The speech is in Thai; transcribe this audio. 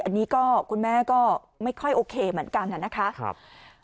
อันนี้ก็คุณแม่ก็ไม่ค่อยโอเคเหมือนกันนะครับ